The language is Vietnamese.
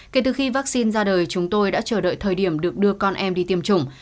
kể từ khi vaccine ra đời chúng tôi đã chờ đợi thời điểm được đưa con em đi tiêm chủng